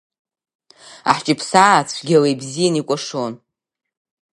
Ахҷыԥсаа цәгьала ибзиан икәашон.